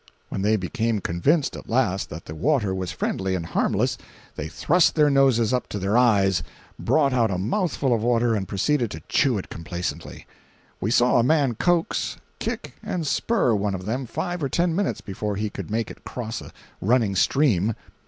When they became convinced at last that the water was friendly and harmless, they thrust in their noses up to their eyes, brought out a mouthful of water, and proceeded to chew it complacently. We saw a man coax, kick and spur one of them five or ten minutes before he could make it cross a running stream.